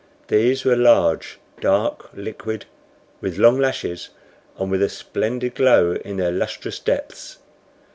These were large, dark, liquid, with long lashes, and with a splendid glow in their lustrous depths.